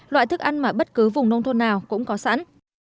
loại thức ăn mà bất cứ vùng nông thôn nào cũng có sẵn